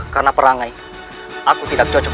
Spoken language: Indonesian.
karena perangai aku tidak cocok